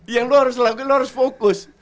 yang lo harus lakuin lo harus fokus